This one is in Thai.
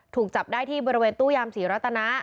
ถูกจับได้ที่บริเวณตู้ยามศรีรัตนะ